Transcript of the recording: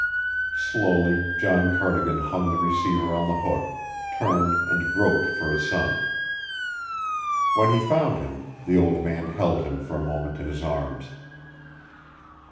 Slowly John Cardigan hung the receiver on the hook, turned and groped for his son. When he found him, the old man held him for a moment in his arms.